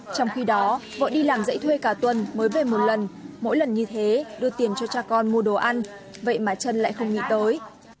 trong khi đó vợ đi làm dậy thuê cả tuần mới về một lần mỗi lần như thế đưa tiền cho cha con mua đồ ăn vậy mà chân lại không nghĩ tới